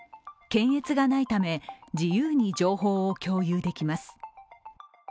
検閲がないため、自由に情報を共有できます。